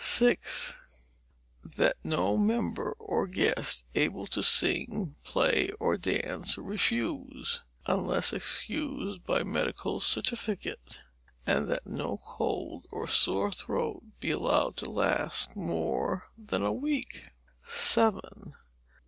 RULE VI. That no member or guest, able to sing, play, or dance, refuse, unless excused by medical certificate; and that no cold or sore throat be allowed to last more than a week. RULE VII.